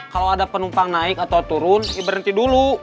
kalau ada penumpang naik atau turun berhenti dulu